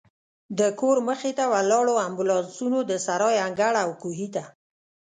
د کور مخې ته ولاړو امبولانسونو، د سرای انګړ او کوهي ته.